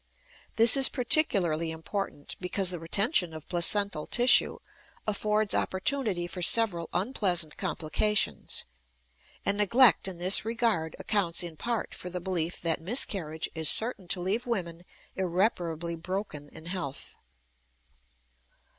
This is particularly important, because the retention of placental tissue affords opportunity for several unpleasant complications; and neglect in this regard accounts in part for the belief that miscarriage is certain to leave women irreparably broken in health.